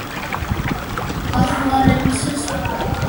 გახურებისას რეაგირებს ქლორთან, ბრომთან, აზოტთან და წყალბადთან.